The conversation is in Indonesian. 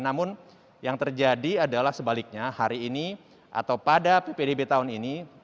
namun yang terjadi adalah sebaliknya hari ini atau pada ppdb tahun ini